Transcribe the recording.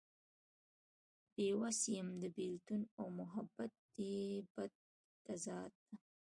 بې وس يم د بيلتون او محبت دې بد تضاد ته